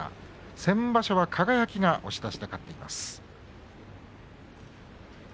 先場所は輝が押し出しで勝っています。